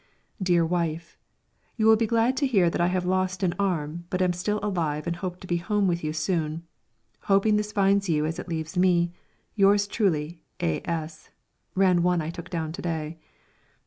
"Dear Wife, You will be glad to hear that I have lost an arm, but am still alive and hope to be home with you soon. Hoping this finds you as it leaves me, Yours Truly, A. S.," ran one I took down to day.